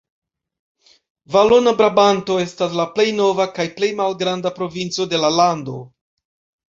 Valona Brabanto estas la plej nova kaj plej malgranda provinco de la lando.